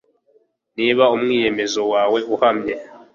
niba umwiyemezo wawe uhamye